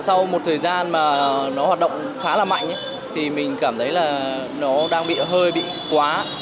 sau một thời gian mà nó hoạt động khá là mạnh thì mình cảm thấy là nó đang bị hơi bị quá